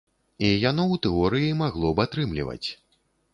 І яно ў тэорыі магло б атрымліваць.